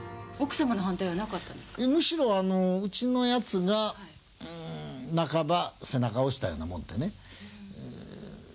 むしろ、うちのやつが半ば背中を押したようなもんでね。